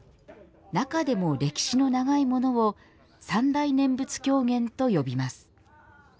中でも歴史の長いものを三大念仏狂言と呼びます。